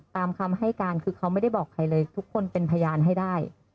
ตามคำให้การคือเขาไม่ได้บอกใครเลยทุกคนเป็นพยานให้ได้